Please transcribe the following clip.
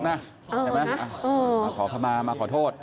ใช่ไหมมาขอขมามาขอโทษ